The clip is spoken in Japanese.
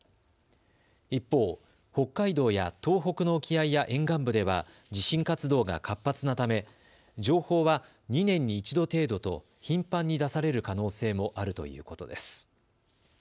一方、北海道や東北の沖合や沿岸部では地震活動が活発なため情報は２年に１度程度と頻繁に出される可能性もあるということです。